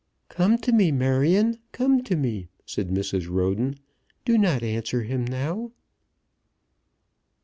"Come to me, Marion, come to me," said Mrs. Roden. "Do not answer him now."